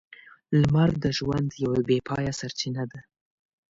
لمر د ژوند یوه بې پايه سرچینه ده.